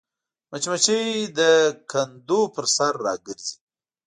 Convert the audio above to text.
مچمچۍ د کندو پر سر راګرځي